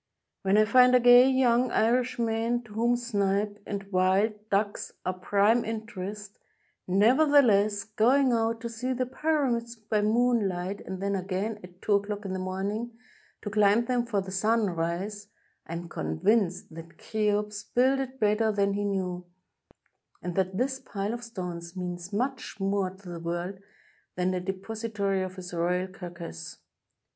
When I find a gay young Irishman, to whom snipe and wild ducks are a prime interest, nevertheless going out to see the Pyramids by moonlight, and then again at two o'clock in the morning to climb them for the sunrise, I am convinced that Cheops builded better than he knew, and that this pile of stones means much more to the world than the depository of his royal car cass.